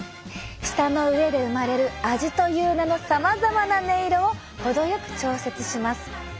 舌の上で生まれる味という名のさまざまな音色をほどよく調節します。